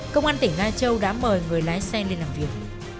công an tỉnh lai châu đã mời người lái xe lên làm việc